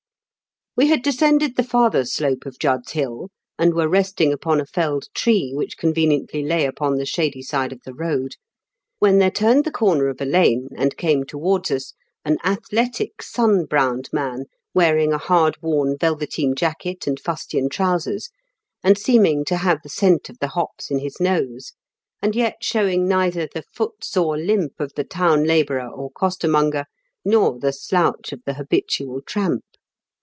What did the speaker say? We had descended the farther slope of Judd's Hill, and were resting upon a felled tree which conveniently lay upon the shady side of the road, when there turned the corner of a lane, and came towards us, an athletic, sun browned man, wearing a hard worn velveteen jacket and fustian trousers, and seeming to have the scent of the hops in his nose, and yet showing neither the foot sore limp of the town labourer or costermonger, nor the slouch of the habitual tramp.